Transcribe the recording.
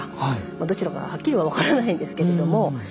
どちらかははっきりは分からないんですけれども。